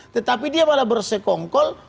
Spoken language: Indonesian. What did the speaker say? tetapi dia malah bersekongkol